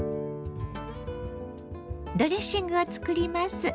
ドレッシングを作ります。